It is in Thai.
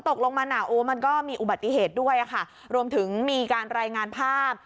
ตกลงมาน่ะโอ้มันก็มีอุบัติเหตุด้วยค่ะรวมถึงมีการรายงานภาพ